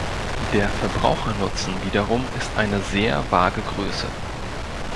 Der Verbrauchernutzen wiederum ist eine sehr vage Größe.